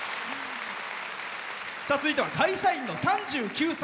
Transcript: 続いては会社員の３９歳。